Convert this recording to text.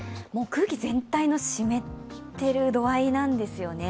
空気全体の湿ってる度合いなんですよね。